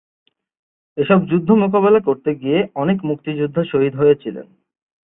এসব যুদ্ধ মোকাবেলা করতে গিয়ে অনেক মুক্তিযোদ্ধা শহীদ হয়েছিলেন।